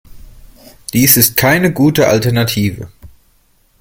Dies ist keine gute Alternative.